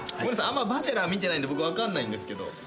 あんま『バチェラー』見てないんで僕分かんないんですけど。